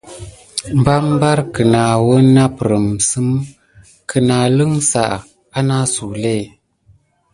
Mambara ki nadi wuna naprime sim kinaba aklune sa anasu lé.